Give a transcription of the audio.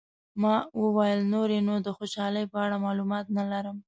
ما وویل، نور یې نو د خوشحالۍ په اړه معلومات نه لرم.